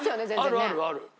あるあるある。